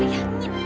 diam diam diam